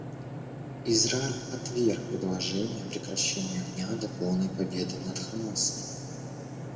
Израиль отверг предложения о прекращении огня до полной победы над Хамасом.